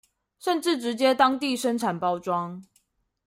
甚至直接在當地生產、包裝